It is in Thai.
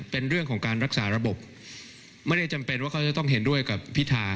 เป็นเรื่องของการรักษาระบบไม่ได้จำเป็นว่าเขาจะต้องเห็นด้วยกับพิธา